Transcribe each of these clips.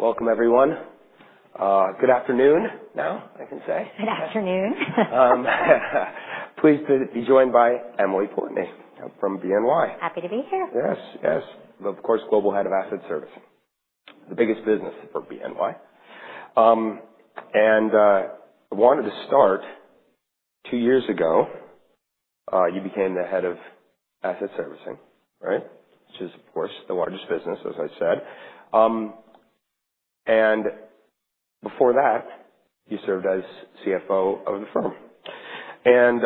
Welcome, everyone. Good afternoon. Now, I can say. Good afternoon. Pleased to be joined by Emily Portney from BNY. Happy to be here. Yes, yes. Of course, Global Head of Asset Servicing, the biggest business for BNY. And I wanted to start two years ago. You became the Head of Asset Servicing, right? Which is, of course, the largest business, as I said. And before that, you served as CFO of the firm. And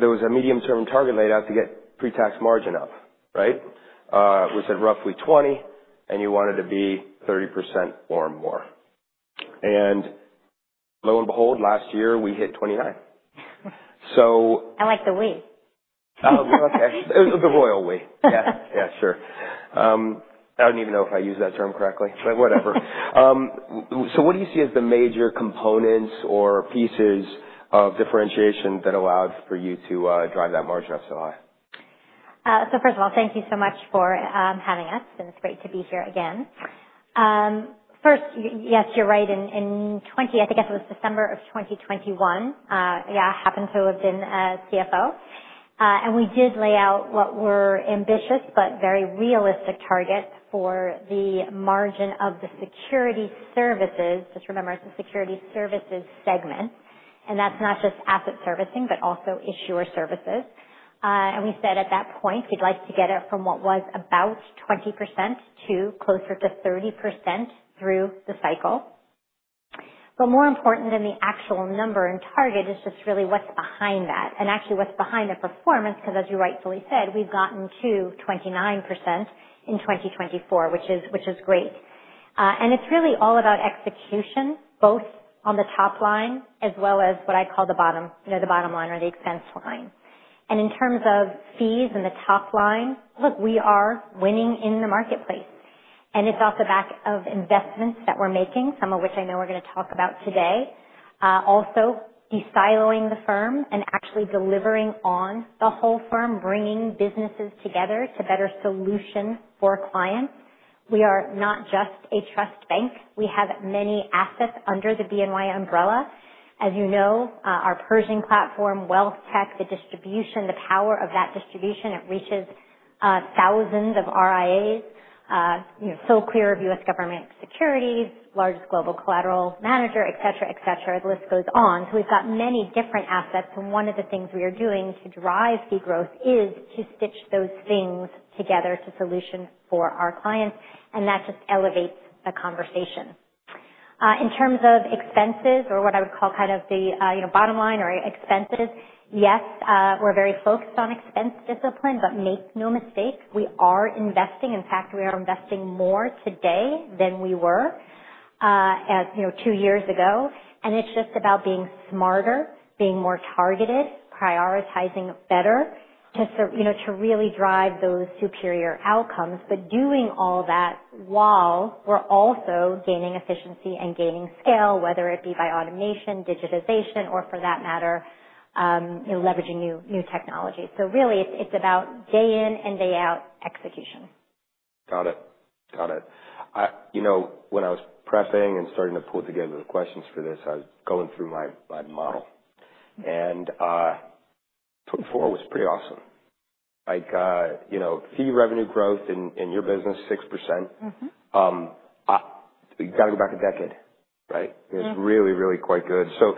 there was a medium-term target laid out to get pre-tax margin up, right? It was at roughly 20%, and you wanted to be 30% or more. And lo and behold, last year we hit 29%. So. I like the we. Oh, okay. The royal we. Yeah, yeah, sure. I don't even know if I used that term correctly, but whatever. So what do you see as the major components or pieces of differentiation that allowed for you to drive that margin up so high? So first of all, thank you so much for having us. And it's great to be here again. First, yes, you're right. In 2021, I think it was December of 2021, yeah, I happened to have been CFO. And we did lay out what were ambitious but very realistic targets for the margin of the Securities Services. Just remember, it's a Securities Services segment. And that's not just Asset Servicing, but also Issuer Services. And we said at that point, we'd like to get it from what was about 20% to closer to 30% through the cycle. But more important than the actual number and target is just really what's behind that. And actually, what's behind the performance, because as you rightfully said, we've gotten to 29% in 2024, which is great. And it's really all about execution, both on the top line as well as what I call the bottom, the bottom line or the expense line. And in terms of fees and the top line, look, we are winning in the marketplace. And it's off the back of investments that we're making, some of which I know we're going to talk about today. Also, de-siloing the firm and actually delivering on the whole firm, bringing businesses together to better solutions for clients. We are not just a trust bank. We have many assets under the BNY umbrella. As you know, our Pershing platform, WealthTech, the distribution, the power of that distribution, it reaches thousands of RIAs, full clearer of U.S. government securities, largest global collateral manager, etc., etc., the list goes on. So we've got many different assets. One of the things we are doing to drive the growth is to stitch those things together to solutions for our clients. And that just elevates the conversation. In terms of expenses, or what I would call kind of the bottom line or expenses, yes, we're very focused on expense discipline, but make no mistake, we are investing. In fact, we are investing more today than we were two years ago. And it's just about being smarter, being more targeted, prioritizing better to really drive those superior outcomes. But doing all that while we're also gaining efficiency and gaining scale, whether it be by automation, digitization, or for that matter, leveraging new technology. So really, it's about day in and day out execution. Got it. Got it. When I was prepping and starting to pull together the questions for this, I was going through my model. And put forward was pretty awesome. Fee revenue growth in your business, 6%. You got to go back a decade, right? It's really, really quite good. So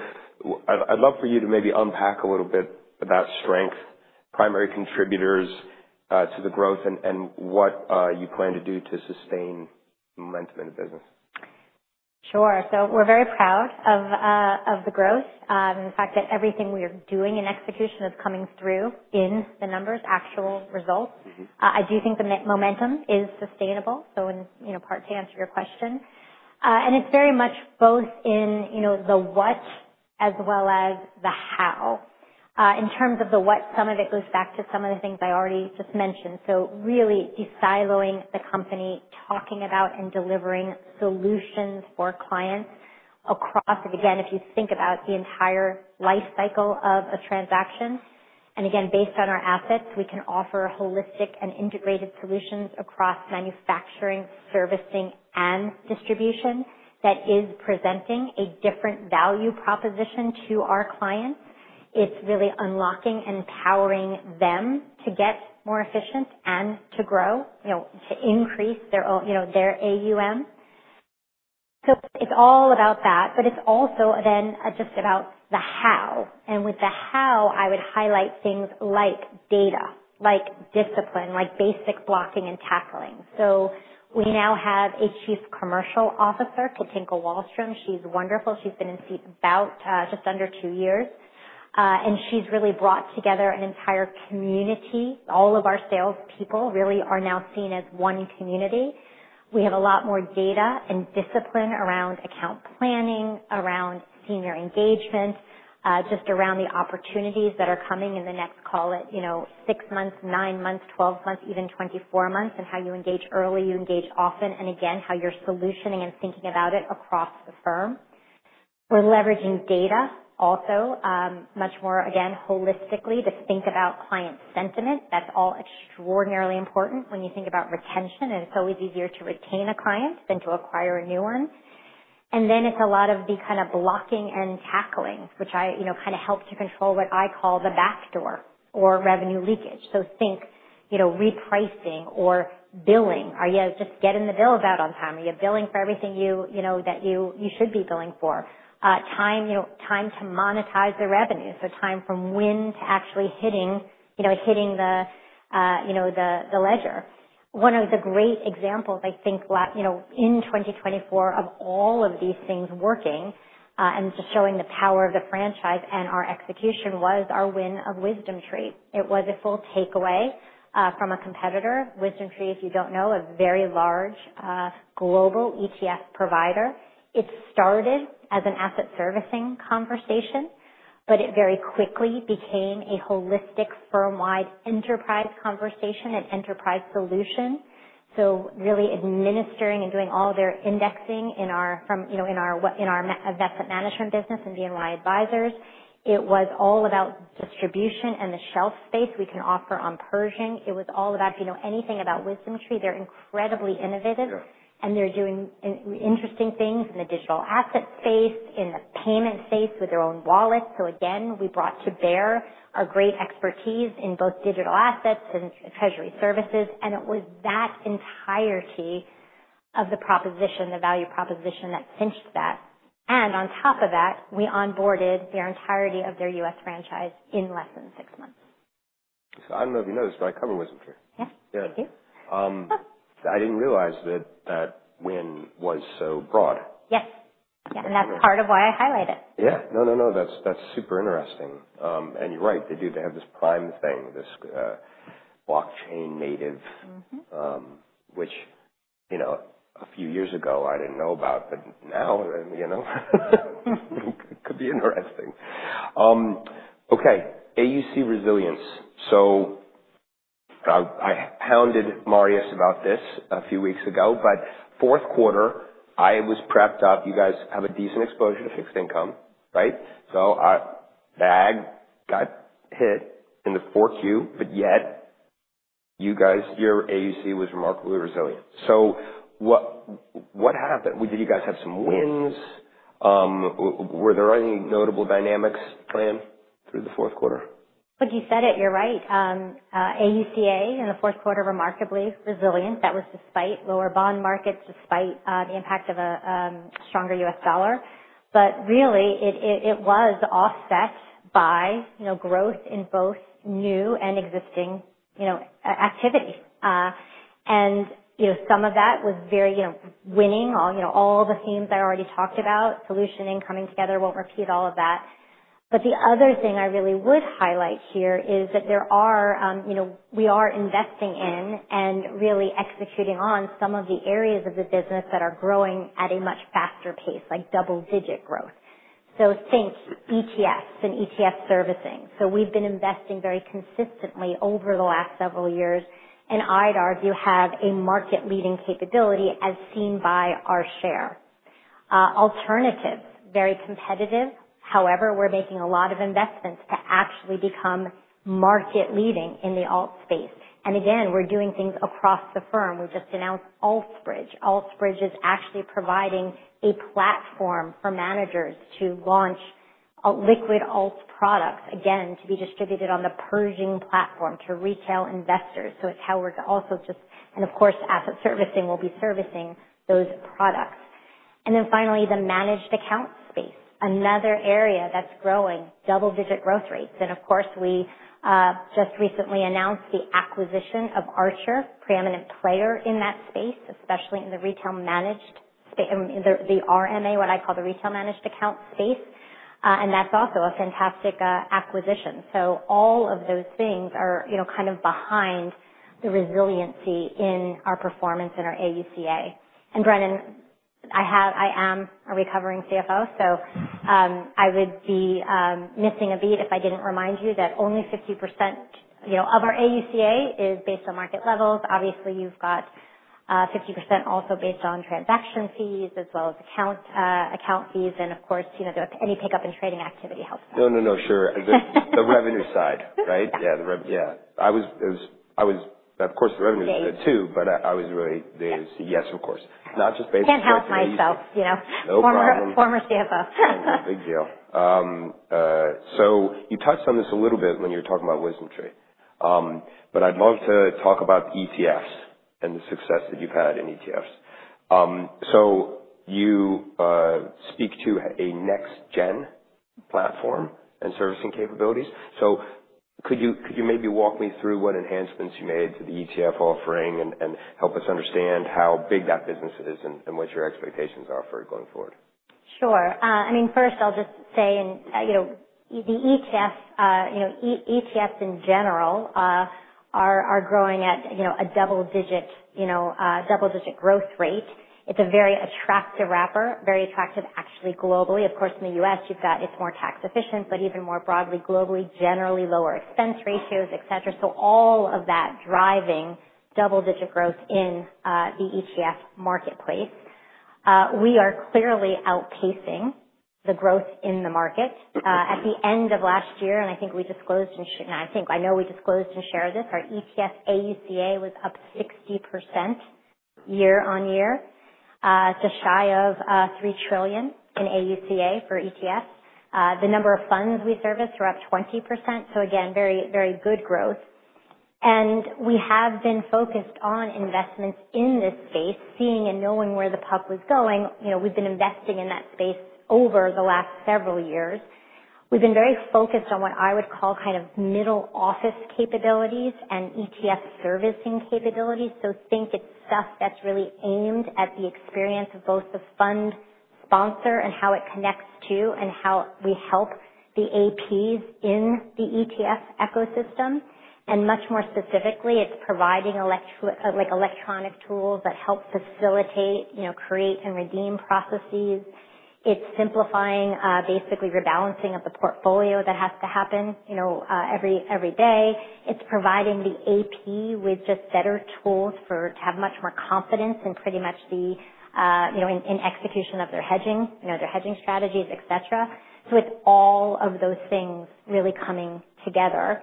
I'd love for you to maybe unpack a little bit about strength, primary contributors to the growth, and what you plan to do to sustain the momentum in the business. Sure, so we're very proud of the growth. In fact, everything we are doing in execution is coming through in the numbers, actual results. I do think the momentum is sustainable, so in part to answer your question, and it's very much both in the what as well as the how. In terms of the what, some of it goes back to some of the things I already just mentioned, so really de-siloing the company, talking about and delivering solutions for clients across, again, if you think about the entire life cycle of a transaction, and again, based on our assets, we can offer holistic and integrated solutions across manufacturing, servicing, and distribution that is presenting a different value proposition to our clients. It's really unlocking and empowering them to get more efficient and to grow, to increase their AUM. It's all about that, but it's also then just about the how. With the how, I would highlight things like data, like discipline, like basic blocking and tackling. We now have a Chief Commercial Officer, Cathinka Wahlstrom. She's wonderful. She's been in seat about just under two years. She's really brought together an entire community. All of our salespeople really are now seen as one community. We have a lot more data and discipline around account planning, around senior engagement, just around the opportunities that are coming in the next call at six months, nine months, 12 months, even 24 months, and how you engage early, you engage often, and again, how you're solutioning and thinking about it across the firm. We're leveraging data also, much more, again, holistically to think about client sentiment. That's all extraordinarily important when you think about retention. It's always easier to retain a client than to acquire a new one. And then it's a lot of the kind of blocking and tackling, which kind of helps to control what I call the backdoor or revenue leakage. So think repricing or billing. Are you just getting the bills out on time? Are you billing for everything that you should be billing for? Time to monetize the revenue. So time from win to actually hitting the ledger. One of the great examples, I think, in 2024, of all of these things working and just showing the power of the franchise and our execution was our win of WisdomTree. It was a full takeaway from a competitor. WisdomTree, if you don't know, a very large global ETF provider. It started as an Asset Servicing conversation, but it very quickly became a holistic firm-wide enterprise conversation and enterprise solution. So really administering and doing all their indexing in our Investment Management business and BNY Advisors. It was all about distribution and the shelf space we can offer on Pershing. It was all about if you know anything about WisdomTree, they're incredibly innovative, and they're doing interesting things in the digital asset space, in the payment space with their own wallet. So again, we brought to bear our great expertise in both digital assets and Treasury Services. And it was that entirety of the proposition, the value proposition that finished that. And on top of that, we onboarded their entirety of their U.S. franchise in less than six months. So I don't know if you noticed, but I covered WisdomTree. Yes, I do. I didn't realize that win was so broad. Yes, and that's part of why I highlight it. Yeah. No, no, no. That's super interesting, and you're right. They do. They have this Prime thing, this blockchain native, which a few years ago I didn't know about, but now it could be interesting. Okay. AUCA resilience. So I hounded Marius about this a few weeks ago, but fourth quarter, I was prepped up. You guys have a decent exposure to fixed income, right? So The Agg got hit in the 4Q24, but yet your AUCA was remarkably resilient. So what happened? Did you guys have some wins? Were there any notable dynamics playing through the fourth quarter? Like you said it, you're right. AUCA in the fourth quarter remarkably resilient. That was despite lower bond markets, despite the impact of a stronger U.S. dollar, but really, it was offset by growth in both new and existing activity, and some of that was very winning. All the themes I already talked about, solutioning, coming together, won't repeat all of that, but the other thing I really would highlight here is that we are investing in and really executing on some of the areas of the business that are growing at a much faster pace, like double-digit growth, so think ETFs and ETF servicing, so we've been investing very consistently over the last several years and I'd argue have a market-leading capability as seen by our share. Alternatives, very competitive. However, we're making a lot of investments to actually become market-leading in the alt space. Again, we're doing things across the firm. We just announced Alts Bridge.Alts Bridge is actually providing a platform for managers to launch liquid alt products, again, to be distributed on the Pershing platform to retail investors. So it's how we're also just, and of course, Asset Servicing will be servicing those products. And then finally, the managed account space, another area that's growing, double-digit growth rates. And of course, we just recently announced the acquisition of Archer, preeminent player in that space, especially in the retail managed space, the RMA, what I call the retail managed account space. And that's also a fantastic acquisition. So all of those things are kind of behind the resiliency in our performance and our AUCA. Brennan, I am a recovering CFO, so I would be missing a beat if I didn't remind you that only 50% of our AUCA is based on market levels. Obviously, you've got 50% also based on transaction fees as well as account fees. And of course, any pickup in trading activity helps that. No, no, no. Sure. The revenue side, right? Yeah. Yeah. Of course, the revenue side too, but I was really the AUCA, yes, of course. Not just basically. Can't help myself. No problem. Former CFO. Big deal. So you touched on this a little bit when you were talking about WisdomTree, but I'd love to talk about ETFs and the success that you've had in ETFs. So you speak to a next-gen platform and servicing capabilities. So could you maybe walk me through what enhancements you made to the ETF offering and help us understand how big that business is and what your expectations are for it going forward? Sure. I mean, first, I'll just say the ETFs in general are growing at a double-digit growth rate. It's a very attractive wrapper, very attractive actually globally. Of course, in the US, you've got. It's more tax efficient, but even more broadly globally, generally lower expense ratios, etc. So all of that driving double-digit growth in the ETF marketplace. We are clearly outpacing the growth in the market. At the end of last year, and I think we disclosed and I know we disclosed and shared this, our ETF AUCA was up 60% year on year, just shy of $3 trillion in AUCA for ETFs. The number of funds we service were up 20%. So again, very good growth. And we have been focused on investments in this space, seeing and knowing where the puck was going. We've been investing in that space over the last several years. We've been very focused on what I would call kind of middle office capabilities and ETF servicing capabilities. So think it's stuff that's really aimed at the experience of both the fund sponsor and how it connects to and how we help the APs in the ETF ecosystem. And much more specifically, it's providing electronic tools that help facilitate, create, and redeem processes. It's simplifying, basically rebalancing of the portfolio that has to happen every day. It's providing the AP with just better tools to have much more confidence in pretty much the execution of their hedging, their hedging strategies, etc. So it's all of those things really coming together.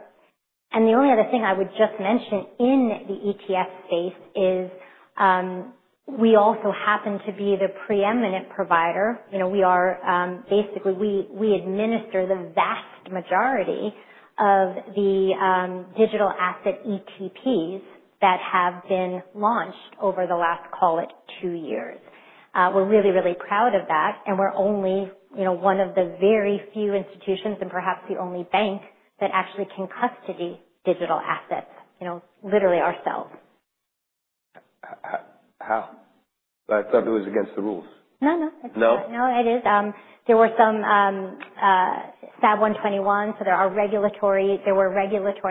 And the only other thing I would just mention in the ETF space is we also happen to be the preeminent provider. Basically, we administer the vast majority of the digital asset ETPs that have been launched over the last, call it, two years. We're really, really proud of that, and we're only one of the very few institutions and perhaps the only bank that actually can custody digital assets, literally ourselves. How? I thought it was against the rules. No, no. No, it is. There were some SAB 121, so there were regulatory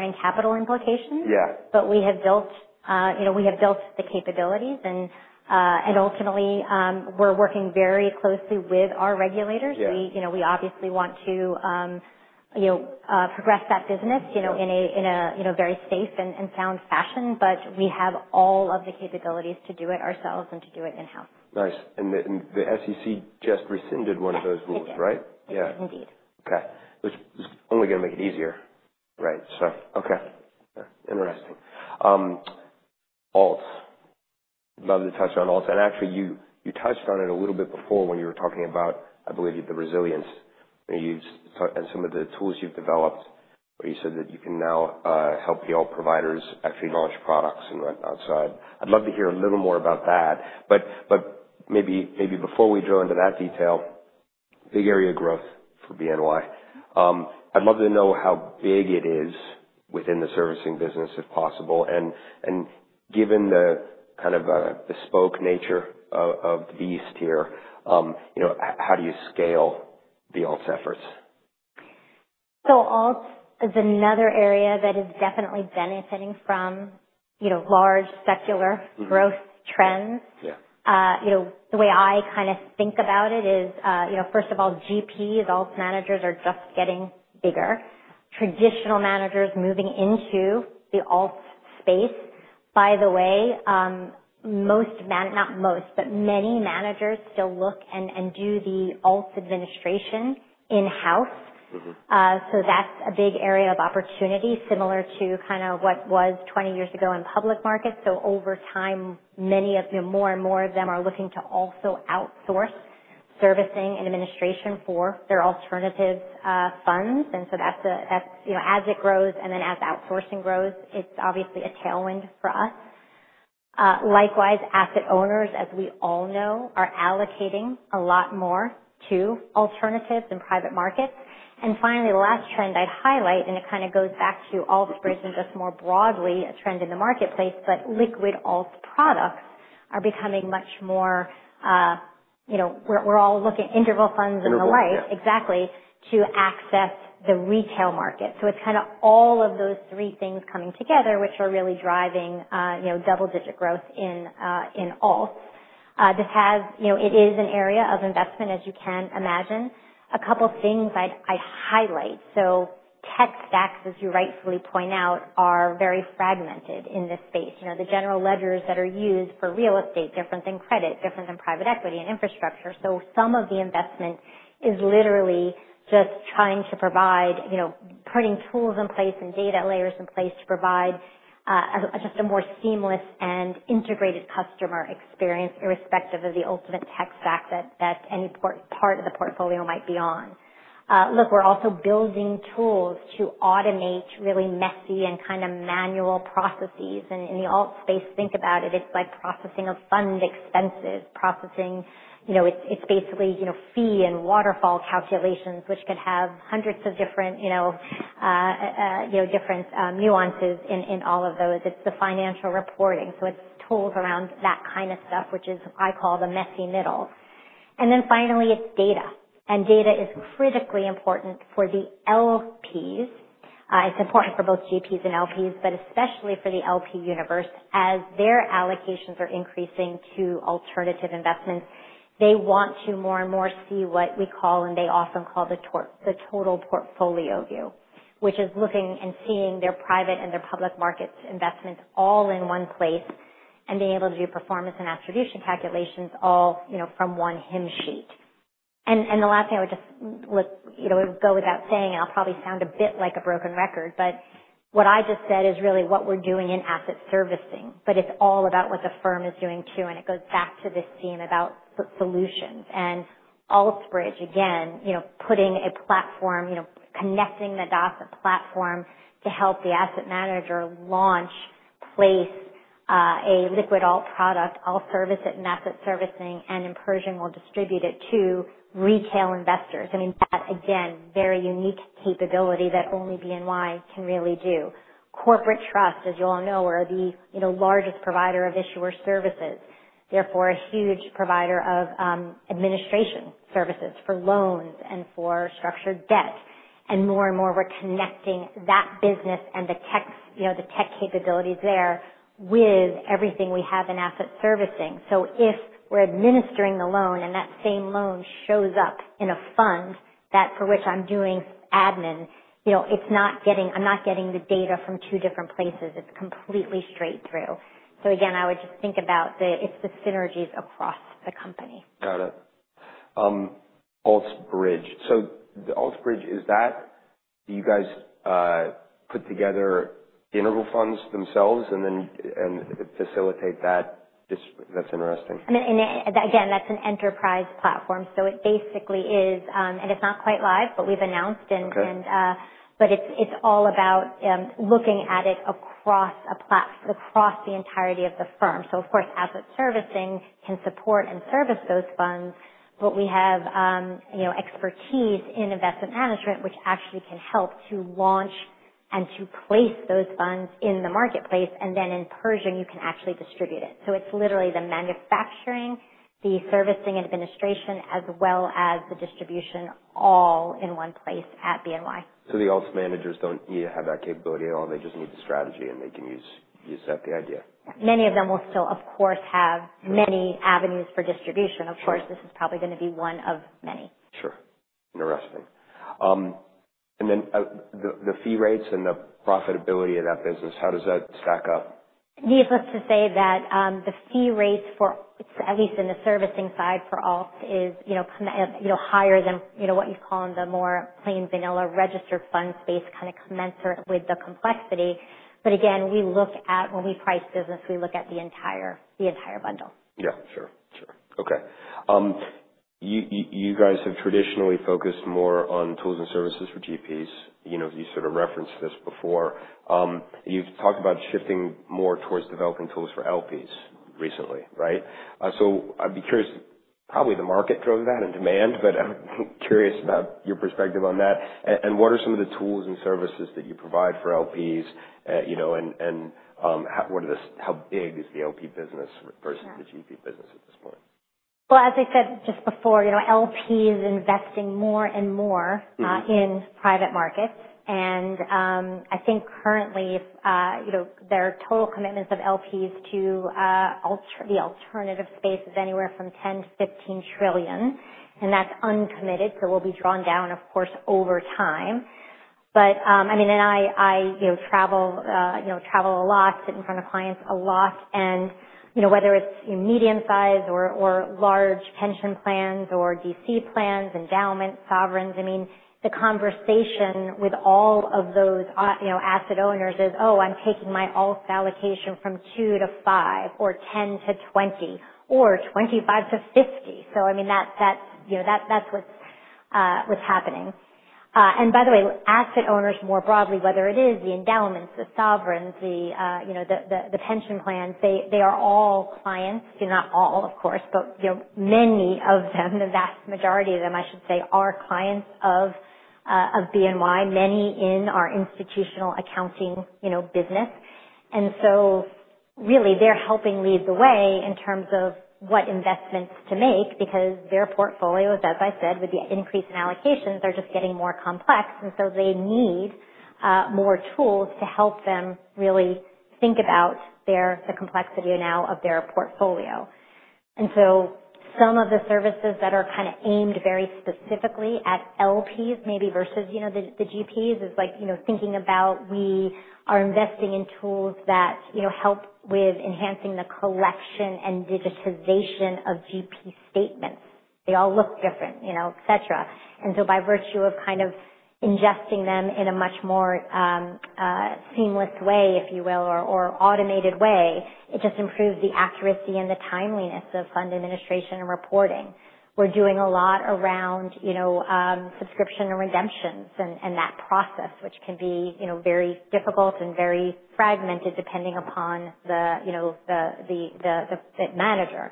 and capital implications. But we have built the capabilities. And ultimately, we're working very closely with our regulators. We obviously want to progress that business in a very safe and sound fashion, but we have all of the capabilities to do it ourselves and to do it in-house. Nice. And the SEC just rescinded one of those rules, right? Yes. Indeed. Okay. It's only going to make it easier, right? So, okay. Interesting. Alts. Love to touch on alts. And actually, you touched on it a little bit before when you were talking about, I believe, the resilience and some of the tools you've developed where you said that you can now help the alt providers actually launch products and whatnot. So I'd love to hear a little more about that. But maybe before we drill into that detail, big area of growth for BNY. I'd love to know how big it is within the servicing business, if possible. And given the kind of bespoke nature of the beast here, how do you scale the alts efforts? So alts is another area that is definitely benefiting from large secular growth trends. The way I kind of think about it is, first of all, GPs, alt managers are just getting bigger. Traditional managers moving into the alt space. By the way, not most, but many managers still look and do the alt administration in-house. So that's a big area of opportunity, similar to kind of what was 20 years ago in public markets. So over time, many of more and more of them are looking to also outsource servicing and administration for their alternative funds. And so that's, as it grows and then as outsourcing grows, it's obviously a tailwind for us. Likewise, asset owners, as we all know, are allocating a lot more to alternatives and private markets. And finally, the last trend I'd highlight, and it kind of goes back to Alts Bridge and just more broadly a trend in the marketplace, but liquid alt products are becoming much more. We're all looking at interval funds and the like. Intervals. Exactly. To access the retail market. So it's kind of all of those three things coming together, which are really driving double-digit growth in alts. This has, it is an area of investment, as you can imagine. A couple of things I'd highlight. So tech stacks, as you rightfully point out, are very fragmented in this space. The general ledgers that are used for real estate are different than credit, different than private equity, and infrastructure. So some of the investment is literally just trying to provide, putting tools in place and data layers in place to provide just a more seamless and integrated customer experience, irrespective of the ultimate tech stack that any part of the portfolio might be on. Look, we're also building tools to automate really messy and kind of manual processes. In the alt space, think about it, it's like processing of fund expenses, it's basically fee and waterfall calculations, which could have hundreds of different nuances in all of those. It's the financial reporting, so it's tools around that kind of stuff, which is what I call the messy middle, and then finally, it's data, and data is critically important for the LPs. It's important for both GPs and LPs, but especially for the LP universe, as their allocations are increasing to alternative investments, they want to more and more see what we call, and they often call the total portfolio view, which is looking and seeing their private and their public markets investments all in one place and being able to do performance and attribution calculations all from one hymn sheet. The last thing I would just look, it would go without saying, and I'll probably sound a bit like a broken record, but what I just said is really what we're doing in Asset Servicing, but it's all about what the firm is doing too. It goes back to this theme about solutions. And Alts Bridge, again, putting a platform, connecting the dots of platform to help the asset manager launch, place a liquid alt product, we'll service it in Asset Servicing, and in Pershing we'll distribute it to retail investors. I mean, that, again, very unique capability that only BNY can really do. Corporate Trust, as you all know, we're the largest provider of Issuer Services, therefore a huge provider of administration services for loans and for structured debt. And more and more, we're connecting that business and the tech capabilities there with everything we have in Asset Servicing. So if we're administering the loan and that same loan shows up in a fund for which I'm doing admin, I'm not getting the data from two different places. It's completely straight through. So again, I would just think about it. It's the synergies across the company. Got it. Alts Bridge. So the Alts Bridge, is that you guys put together interval funds themselves and then facilitate that? That's interesting. I mean, again, that's an enterprise platform. So it basically is, and it's not quite live, but we've announced and but it's all about looking at it across the entirety of the firm. So of course, Asset Servicing can support and service those funds, but we have expertise in Investment Management, which actually can help to launch and to place those funds in the marketplace. And then Pershing, you can actually distribute it. So it's literally the manufacturing, the servicing, and administration, as well as the distribution all in one place at BNY. So the alt managers don't need to have that capability at all. They just need the strategy and they can use that, the idea. Many of them will still, of course, have many avenues for distribution. Of course, this is probably going to be one of many. Sure. Interesting. And then the fee rates and the profitability of that business, how does that stack up? Needless to say that the fee rates for, at least in the servicing side for alts, is higher than what you call in the more plain vanilla registered funds space, kind of commensurate with the complexity, but again, we look at when we price business, we look at the entire bundle. Yeah. Sure. Sure. Okay. You guys have traditionally focused more on tools and services for GPs. You sort of referenced this before. You've talked about shifting more towards developing tools for LPs recently, right? So I'd be curious, probably the market drove that and demand, but I'm curious about your perspective on that. And what are some of the tools and services that you provide for LPs? And how big is the LP business versus the GP business at this point? As I said just before, LPs are investing more and more in private markets. I think currently, their total commitments of LPs to the alternative space is anywhere from $10-15 trillion. That's uncommitted, so it will be drawn down, of course, over time. I mean, I travel a lot, sit in front of clients a lot. Whether it's medium-sized or large pension plans or DC plans, endowments, sovereigns, I mean, the conversation with all of those asset owners is, "Oh, I'm taking my alt allocation from 2%-5% or 10%-20% or 25%-50%." I mean, that's what's happening. By the way, asset owners more broadly, whether it is the endowments, the sovereigns, the pension plans, they are all clients. They're not all, of course, but many of them, the vast majority of them, I should say, are clients of BNY, many in our institutional accounting business, and so really, they're helping lead the way in terms of what investments to make because their portfolios, as I said, with the increase in allocations, are just getting more complex, and so they need more tools to help them really think about the complexity now of their portfolio, and so some of the services that are kind of aimed very specifically at LPs, maybe versus the GPs, is like thinking about we are investing in tools that help with enhancing the collection and digitization of GP statements. They all look different, etc. And so by virtue of kind of ingesting them in a much more seamless way, if you will, or automated way, it just improves the accuracy and the timeliness of fund administration and reporting. We're doing a lot around subscription and redemptions and that process, which can be very difficult and very fragmented depending upon the manager.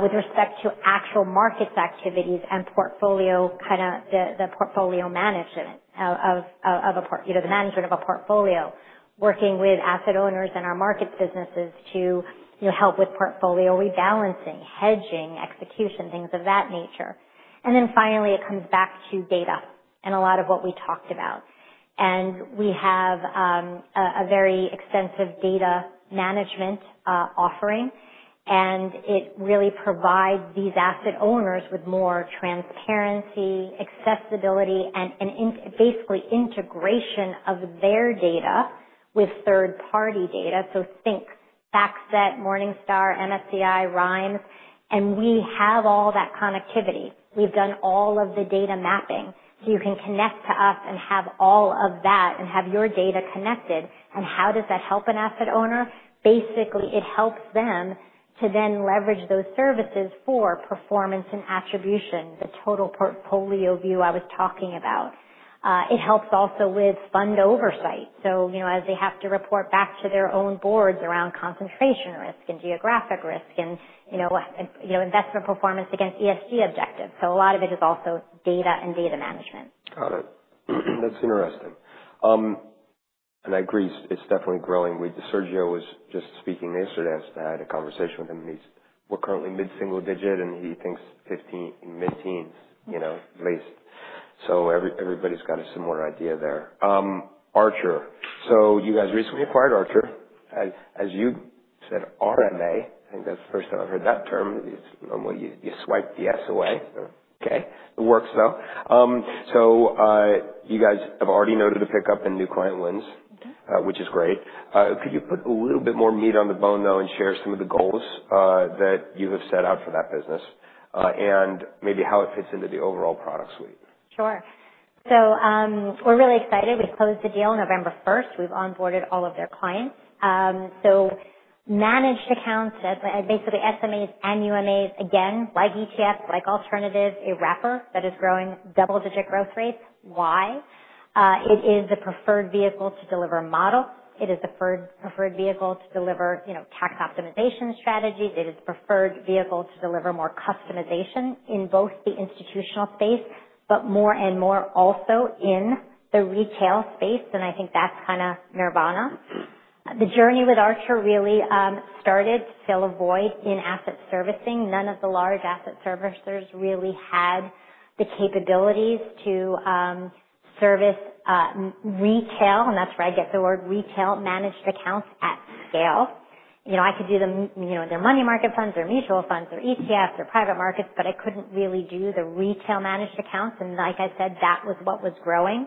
With respect to actual markets activities and portfolio, kind of the portfolio management of the management of a portfolio, working with asset owners and our markets businesses to help with portfolio rebalancing, hedging, execution, things of that nature. And then finally, it comes back to data and a lot of what we talked about. And we have a very extensive data management offering. And it really provides these asset owners with more transparency, accessibility, and basically integration of their data with third-party data. So think FactSet, Morningstar, MSCI, Rimes. We have all that connectivity. We've done all of the data mapping. So you can connect to us and have all of that and have your data connected. How does that help an asset owner? Basically, it helps them to then leverage those services for performance and attribution, the total portfolio view I was talking about. It helps also with fund oversight. As they have to report back to their own boards around concentration risk and geographic risk and investment performance against ESG objectives. A lot of it is also data and data management. Got it. That's interesting. And I agree, it's definitely growing. Sergio was just speaking yesterday and I had a conversation with him. And he's currently mid-single digit and he thinks mid-teens at least. So everybody's got a similar idea there. Archer. So you guys recently acquired Archer. As you said, RMA, I think that's the first time I've heard that term. You swipe the S away. Okay. It works though. So you guys have already noted a pickup and new client wins, which is great. Could you put a little bit more meat on the bone though and share some of the goals that you have set out for that business and maybe how it fits into the overall product suite? Sure. So we're really excited. We closed the deal on November 1st. We've onboarded all of their clients. So managed accounts, basically SMAs and UMAs, again, like ETFs, like alternatives, a wrapper that is growing double-digit growth rates. Why? It is the preferred vehicle to deliver a model. It is the preferred vehicle to deliver tax optimization strategies. It is the preferred vehicle to deliver more customization in both the institutional space, but more and more also in the retail space. And I think that's kind of nirvana. The journey with Archer really started to fill a void in Asset Servicing. None of the large asset servicers really had the capabilities to service retail. And that's where I get the word retail managed accounts at scale. I could do their money market funds, their mutual funds, their ETFs, their private markets, but I couldn't really do the retail managed accounts. And like I said, that was what was growing.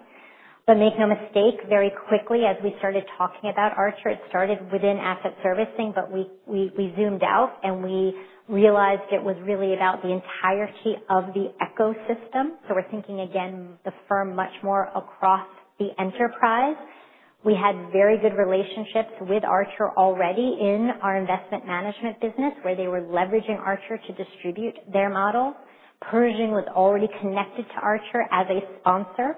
But make no mistake, very quickly as we started talking about Archer, it started within Asset Servicing, but we zoomed out and we realized it was really about the entirety of the ecosystem. So we're thinking again, the firm much more across the enterprise. We had very good relationships with Archer already in our Investment Management business where they were leveraging Archer to distribute their model. Pershing was already connected to Archer as a sponsor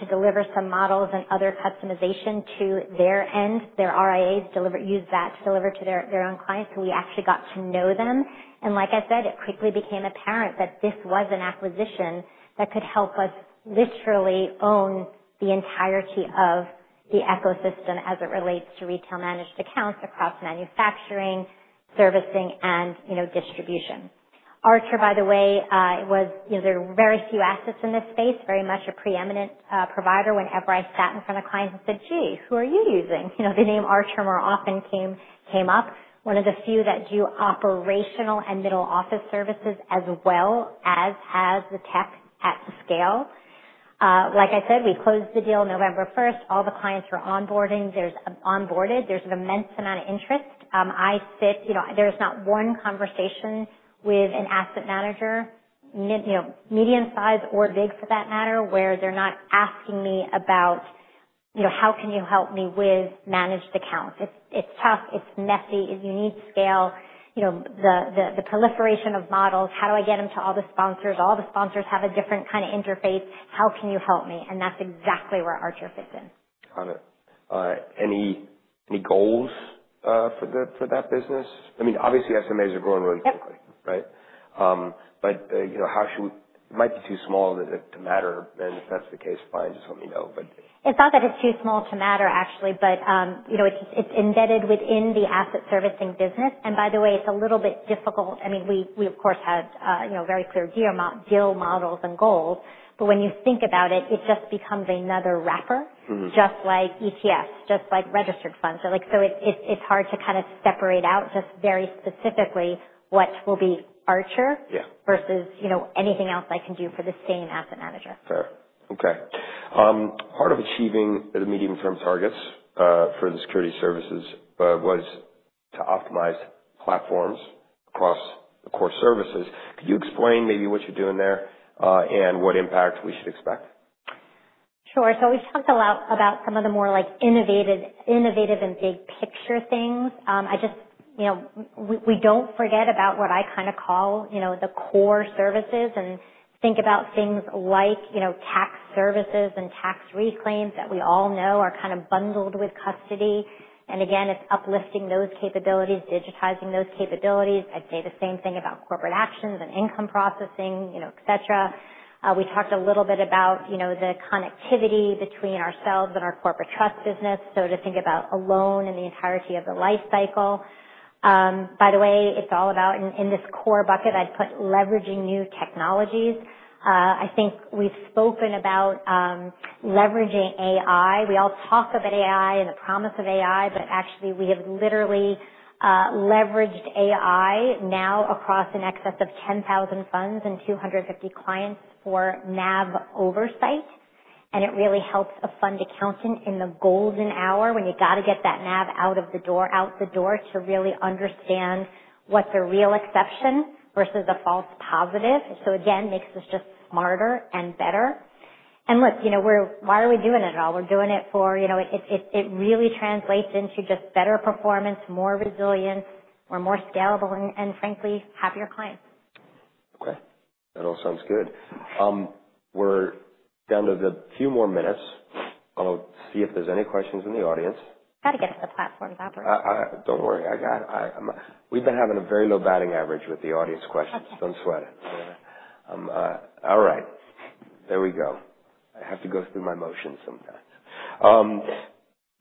to deliver some models and other customization to their end. Their RIAs use that to deliver to their own clients. So we actually got to know them. And like I said, it quickly became apparent that this was an acquisition that could help us literally own the entirety of the ecosystem as it relates to retail managed accounts across manufacturing, servicing, and distribution. Archer, by the way, was. There are very few assets in this space, very much a preeminent provider. Whenever I sat in front of clients and said, "Gee, who are you using?" The name Archer more often came up. One of the few that do operational and middle office services as well as has the tech at scale. Like I said, we closed the deal November 1st. All the clients were onboarding. There's an immense amount of interest. I see, there's not one conversation with an asset manager, medium-sized or big for that matter, where they're not asking me about, "How can you help me with managed accounts?" It's tough. It's messy. You need scale. The proliferation of models, how do I get them to all the sponsors? All the sponsors have a different kind of interface. How can you help me? And that's exactly where Archer fits in. Got it. Any goals for that business? I mean, obviously, SMAs are growing really quickly, right, but how should we weight it? It might be too small to matter, and if that's the case, fine, just let me know, but. It's not that it's too small to matter, actually, but it's embedded within the Asset Servicing business. And by the way, it's a little bit difficult. I mean, we, of course, had very clear deal models and goals. But when you think about it, it just becomes another wrapper, just like ETFs, just like registered funds. So it's hard to kind of separate out just very specifically what will be Archer versus anything else I can do for the same asset manager. Fair. Okay. Part of achieving the medium-term targets for the security services was to optimize platforms across the core services. Could you explain maybe what you're doing there and what impact we should expect? Sure, so we've talked a lot about some of the more innovative and big-picture things. We don't forget about what I kind of call the core services and think about things like tax services and tax reclaims that we all know are kind of bundled with custody, and again, it's uplifting those capabilities, digitizing those capabilities. I'd say the same thing about corporate actions and income processing, etc. We talked a little bit about the connectivity between ourselves and our Corporate Trust business, so to think about a loan and the entirety of the life cycle. By the way, it's all about in this core bucket, I'd put leveraging new technologies. I think we've spoken about leveraging AI. We all talk about AI and the promise of AI, but actually we have literally leveraged AI now across in excess of 10,000 funds and 250 clients for NAV oversight. It really helps a fund accountant in the golden hour when you got to get that NAV out of the door to really understand what's a real exception versus a false positive. Again, makes us just smarter and better. Look, why are we doing it at all? We're doing it for it really translates into just better performance, more resilience, we're more scalable, and frankly, happier clients. Okay. That all sounds good. We're down to a few more minutes. I'll see if there's any questions in the audience. Got to get to the platform's operation. Don't worry. We've been having a very low batting average with the audience questions. Don't sweat. All right. There we go. I have to go through my motions sometimes.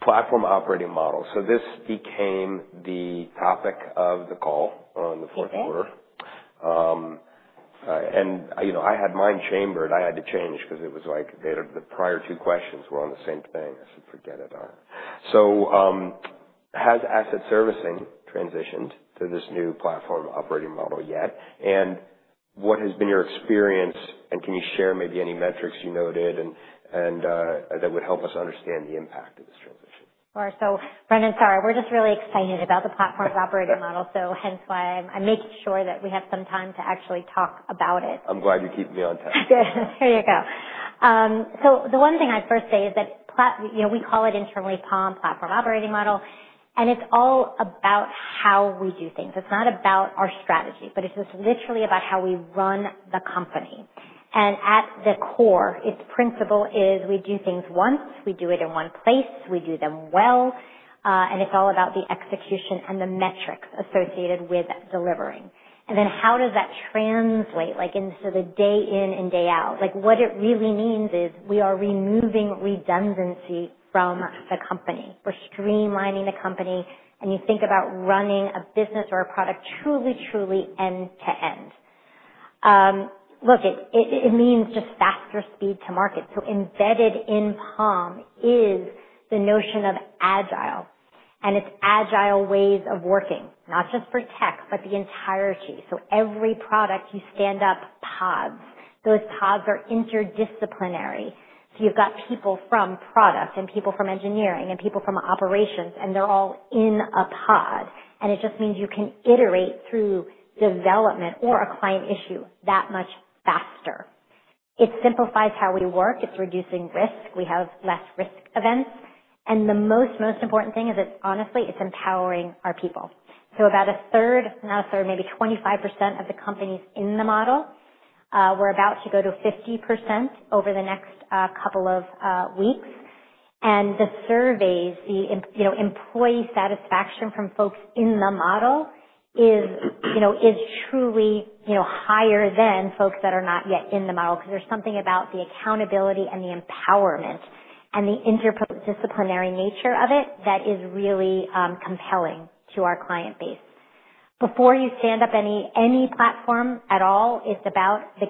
Platform Operating Model, so this became the topic of the call on the fourth quarter, and I had mine chambered. I had to change because it was like the prior two questions were on the same thing. I said, "Forget it," so has Asset Servicing transitioned to this new Platform Operating Model yet? And what has been your experience? And can you share maybe any metrics you noted that would help us understand the impact of this transition? Sure. Brennan, sorry, we're just really excited about the platform operating model. Hence why I'm making sure that we have some time to actually talk about it. I'm glad you're keeping me on topic. There you go. So the one thing I'd first say is that we call it internally POM, Platform Operating Model. And it's all about how we do things. It's not about our strategy, but it's just literally about how we run the company. And at the core, its principle is we do things once, we do it in one place, we do them well. And it's all about the execution and the metrics associated with delivering. And then how does that translate into the day in and day out? What it really means is we are removing redundancy from the company. We're streamlining the company. And you think about running a business or a product truly, truly end to end. Look, it means just faster speed to market. So embedded in POM is the notion of agile. And it's agile ways of working, not just for tech, but the entirety. So every product you stand up pods. Those pods are interdisciplinary. So you've got people from product and people from engineering and people from operations, and they're all in a pod. And it just means you can iterate through development or a client issue that much faster. It simplifies how we work. It's reducing risk. We have less risk events. And the most, most important thing is honestly, it's empowering our people. So about a third, not a third, maybe 25% of the companies in the model. We're about to go to 50% over the next couple of weeks. And the surveys, the employee satisfaction from folks in the model is truly higher than folks that are not yet in the model. Because there's something about the accountability and the empowerment and the interdisciplinary nature of it that is really compelling to our client base. Before you stand up any platform at all, it's about the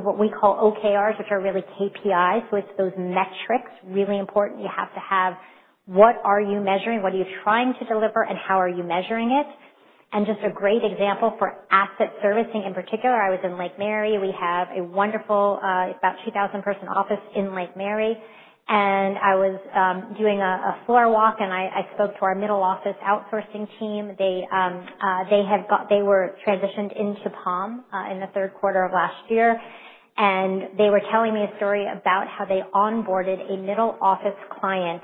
what we call OKRs, which are really KPIs, so it's those metrics, really important. You have to have what are you measuring, what are you trying to deliver, and how are you measuring it, and just a great example for Asset Servicing in particular, I was in Lake Mary. We have a wonderful, about 2,000-person office in Lake Mary, and I was doing a floor walk, and I spoke to our middle office outsourcing team. They were transitioned into POM in the third quarter of last year, and they were telling me a story about how they onboarded a middle office client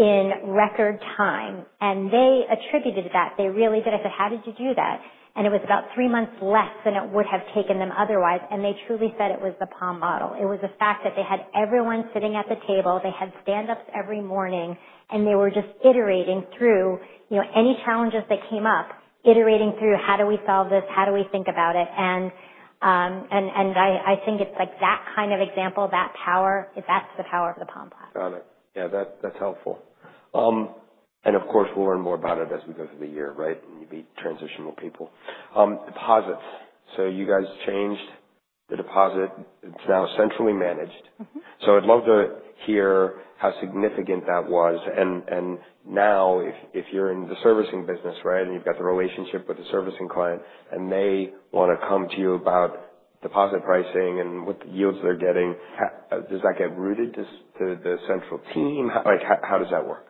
in record time, and they attributed that. They really did, I said, "How did you do that," and it was about three months less than it would have taken them otherwise. And they truly said it was the POM model. It was the fact that they had everyone sitting at the table. They had stand-ups every morning. And they were just iterating through any challenges that came up, iterating through how do we solve this, how do we think about it? And I think it's like that kind of example, that power, that's the power of the POM platform. Got it. Yeah. That's helpful, and of course, we'll learn more about it as we go through the year, right? And you beat expectations on deposits, so you guys changed the deposit. It's now centrally managed, so I'd love to hear how significant that was. And now, if you're in the servicing business, right, and you've got the relationship with the servicing client and they want to come to you about deposit pricing and what the yields they're getting, does that get routed to the central team? How does that work?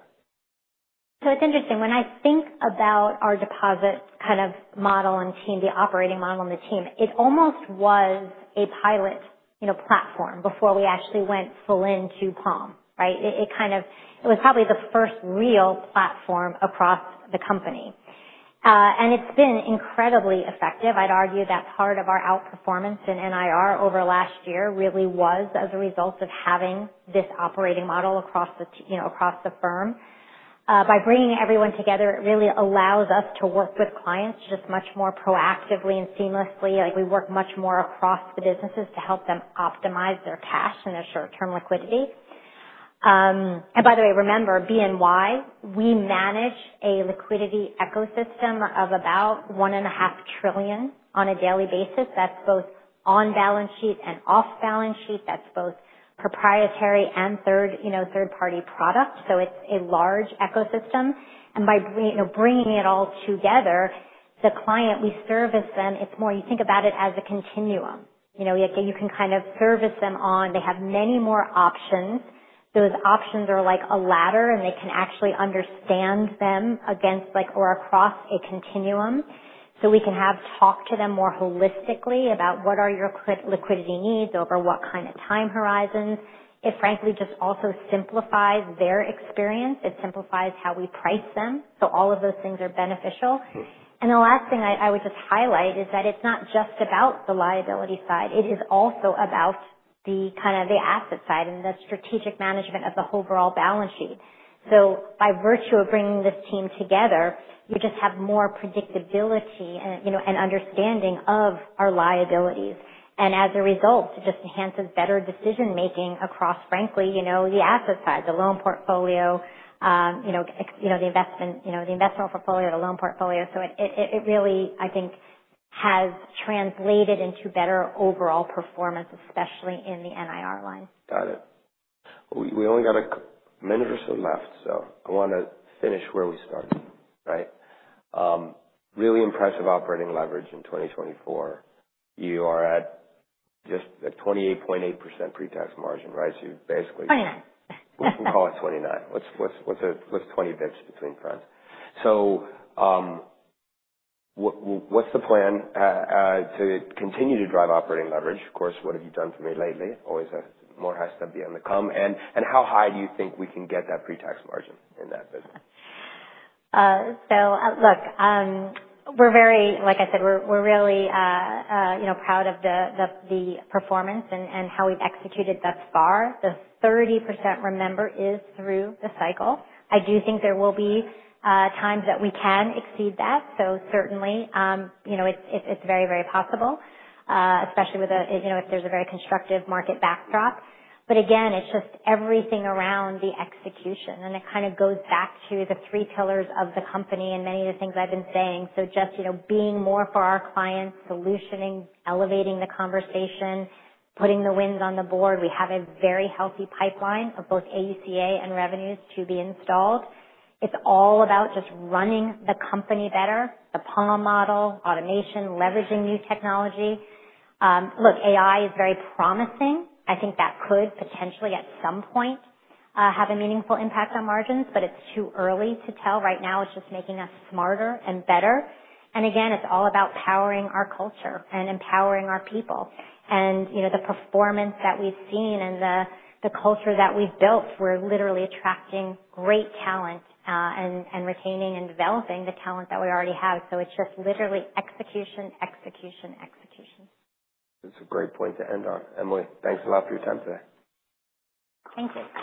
It's interesting. When I think about our deposit kind of model and team, the operating model and the team, it almost was a pilot platform before we actually went full into POM, right? It was probably the first real platform across the company. And it's been incredibly effective. I'd argue that part of our outperformance in NIR over last year really was as a result of having this operating model across the firm. By bringing everyone together, it really allows us to work with clients just much more proactively and seamlessly. We work much more across the businesses to help them optimize their cash and their short-term liquidity. And by the way, remember, BNY, we manage a liquidity ecosystem of about $1.5 trillion on a daily basis. That's both on balance sheet and off balance sheet. That's both proprietary and third-party product. It's a large ecosystem. By bringing it all together, the client we service them, it's more you think about it as a continuum. You can kind of service them on they have many more options. Those options are like a ladder, and they can actually understand them against or across a continuum. We can have talk to them more holistically about what are your liquidity needs over what kind of time horizons. It, frankly, just also simplifies their experience. It simplifies how we price them. All of those things are beneficial. The last thing I would just highlight is that it's not just about the liability side. It is also about the kind of the asset side and the strategic management of the overall balance sheet. By virtue of bringing this team together, you just have more predictability and understanding of our liabilities. And as a result, it just enhances better decision-making across, frankly, the asset side, the loan portfolio, the investment portfolio, the loan portfolio. So it really, I think, has translated into better overall performance, especially in the NIR line. Got it. We only got a minute or so left, so I want to finish where we started, right? Really impressive operating leverage in 2024. You are at just a 28.8% pre-tax margin, right? So you've basically. 29. We can call it 29. What's 20 basis points between friends? So what's the plan to continue to drive operating leverage? Of course, what have you done for me lately? Always more has to be on the come. And how high do you think we can get that pre-tax margin in that business? So look, we're very, like I said, we're really proud of the performance and how we've executed thus far. The 30%, remember, is through the cycle. I do think there will be times that we can exceed that. So certainly, it's very, very possible, especially if there's a very constructive market backdrop. But again, it's just everything around the execution. And it kind of goes back to the three pillars of the company and many of the things I've been saying. So just being more for our clients, solutioning, elevating the conversation, putting the wins on the board. We have a very healthy pipeline of both AUCA and revenues to be installed. It's all about just running the company better, the POM model, automation, leveraging new technology. Look, AI is very promising. I think that could potentially, at some point, have a meaningful impact on margins, but it's too early to tell. Right now, it's just making us smarter and better, and again, it's all about powering our culture and empowering our people, and the performance that we've seen and the culture that we've built, we're literally attracting great talent and retaining and developing the talent that we already have, so it's just literally execution, execution, execution. It's a great point to end on. Emily, thanks a lot for your time today. Thank you.